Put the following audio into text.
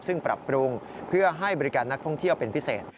ซึ่งปรับปรุงเพื่อให้บริการนักท่องเที่ยวเป็นพิเศษ